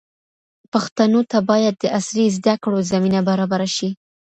پښتنو ته باید د عصري زده کړو زمینه برابره شي.